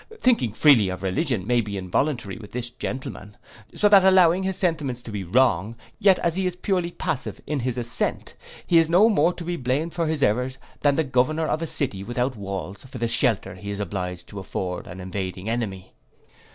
Thinking freely of religion, may be involuntary with this gentleman: so that allowing his sentiments to be wrong, yet as he is purely passive in his assent, he is no more to be blamed for his errors than the governor of a city without walls for the shelter he is obliged to afford an invading enemy.